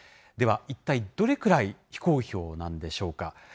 では、一体、どれくらい非公表なんでしょうか。